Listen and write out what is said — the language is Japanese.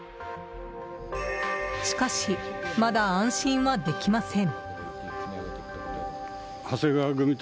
しかし、まだ安心はできません。